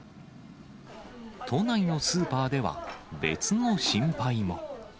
都内のスーパーでは、別の心配も。